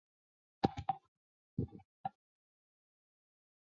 春末及夏季的巴里常有雷暴。